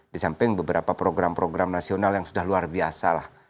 di samping beberapa program program nasional yang sudah luar biasa lah